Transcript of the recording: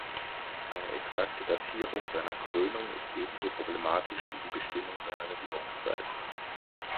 Eine exakte Datierung seiner Krönung ist ebenso problematisch wie die Bestimmung seiner Regierungszeit.